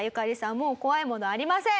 もう怖いものありません。